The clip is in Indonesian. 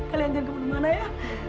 kalian jangan ke mana mana ya